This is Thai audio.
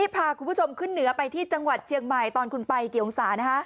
พาคุณผู้ชมขึ้นเหนือไปที่จังหวัดเชียงใหม่ตอนคุณไปเกี่ยวองศา